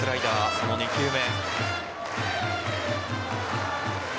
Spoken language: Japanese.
その２球目。